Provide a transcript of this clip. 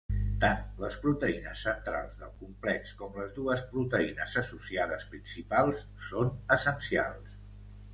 Tant les proteïnes centrals del complex com les dues proteïnes associades principals són essencials.